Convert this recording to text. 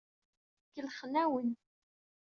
Kellxen-awen.